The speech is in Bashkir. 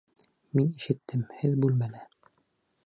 Мин ишеттем, һеҙ бүлмәлә!